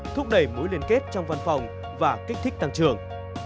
thúc đẩy mối liên kết trong văn phòng và kích thích tăng trưởng